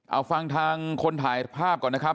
เอาฟังทางคนถ่ายภาพก่อนนะครับ